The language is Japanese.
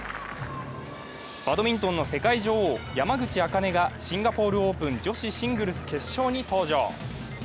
バドミントンの世界女王山口茜がシンガポールオープン女子シングルス決勝に登場。